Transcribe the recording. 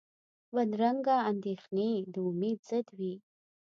بدرنګه اندېښنې د امید ضد وي